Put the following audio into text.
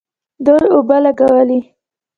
دوی اوبه لګولې.